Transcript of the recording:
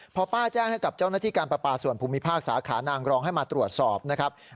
พอป้าแจ้งให้กับเจ้าหน้าที่การประปาส่วนภูมิภาคสาขานางรองให้มาตรวจสอบนะครับ